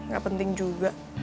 gak penting juga